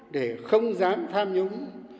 để không dám tham nhũng